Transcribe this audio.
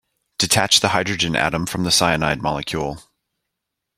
Detach the hydrogen atom from the cyanide molecule.